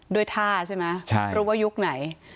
ด้วยท่าใช่ไหมรู้ว่ายุคไหน